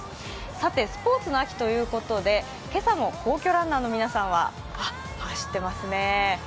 さて、スポーツの秋ということで、今朝も皇居ランナーの皆さんは走ってますね。